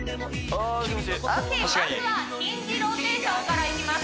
オーケーまずはヒンジローテーションからいきます